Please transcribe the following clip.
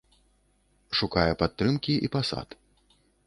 Шукае падтрымкі і пасад.